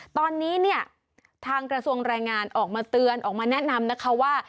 ตอนนี้เนี่ยทางกระทรวงแรงงานออกมาเตือนออกมาแนะนำนะคะว่า